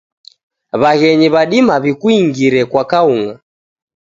Waghenyi wadima wikuingire kwa kaung'a